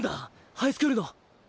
ハイスクールの。